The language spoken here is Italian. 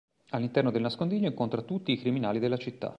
All'interno del nascondiglio incontra tutti i criminali della città.